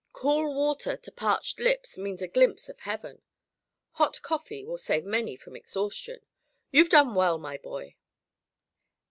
Cool water to parched lips means a glimpse of heaven. Hot coffee will save many from exhaustion. You've done well, my boy."